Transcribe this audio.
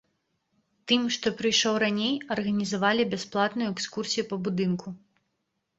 Тым, што прыйшоў раней, арганізавалі бясплатную экскурсію па будынку.